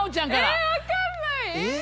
えぇ分かんない。